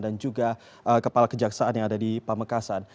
dan juga kepala kejaksaan yang ada di pamekasan